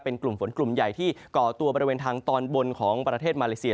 เป็นกลุ่มฝนกลุ่มใหญ่ที่ก่อตัวบริเวณทางตอนบนของประเทศมาเลเซีย